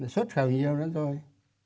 xuất khẩu nhiều đó rồi